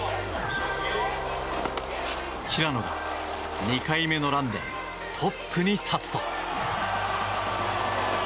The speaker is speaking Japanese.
平野が２回目のランでトップに立つと。